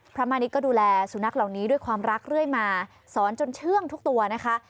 มานิดก็ดูแลสุนัขเหล่านี้ด้วยความรักเรื่อยมาสอนจนเชื่องทุกตัวนะคะ